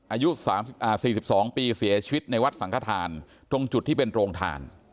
อายุ๔๒ปีเสียชีวิตในวัดสังขทานตรงจุดที่เป็นโรงทาน